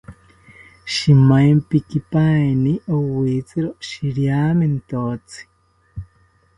Shimaempikipaeni rowitziro shiriamentotzi